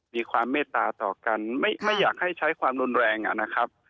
มีความเมตตาต่อกันไม่อยากให้ใช้ความรุนแรงนะครับ